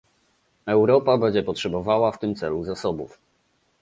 Europa będzie potrzebowała w tym celu zasobów